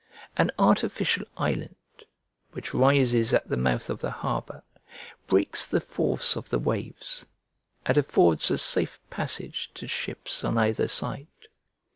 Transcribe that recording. An artificial island, which rises at the mouth of the harbour, breaks the force of the waves, and affords a safe passage to ships on either side.